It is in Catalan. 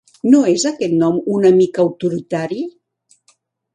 No és aquest nom una mica autoritari?